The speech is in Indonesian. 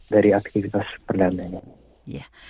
dari aktivitas perdamaian ini